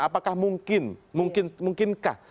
apakah mungkin mungkinkah